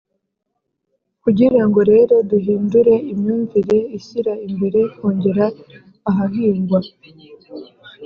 kugirango rero duhindure imyumvire ishyira imbere kongera ahahingwa,